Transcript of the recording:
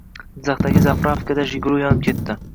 Jizzaxdagi zapravkada “Jiguli” yonib ketdi